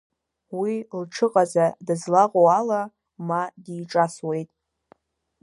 Уи, лҽыҟаҵа дызлаҟоу ала, ма диҿасуеит.